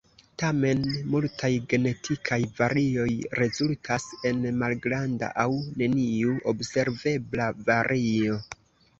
Tamen, multaj genetikaj varioj rezultas en malgranda aŭ neniu observebla vario.